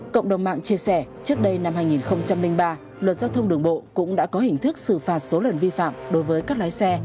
cộng đồng mạng chia sẻ trước đây năm hai nghìn ba luật giao thông đường bộ cũng đã có hình thức xử phạt số lần vi phạm đối với các lái xe